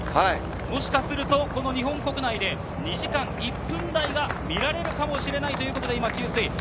もしかすると日本国内で２時間１分台が見られるかもしれないということで、給水。